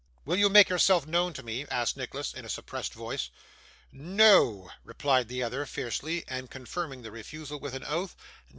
'Will you make yourself known to me?' asked Nicholas in a suppressed voice. 'No,' replied the other fiercely, and confirming the refusal with an oath.